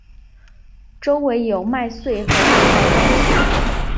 周围有麦穗和葡萄装饰。